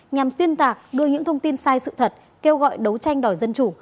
nhằm xuyên tạc đưa những thông tin sai sự thật kêu gọi đấu tranh đòi dân chủ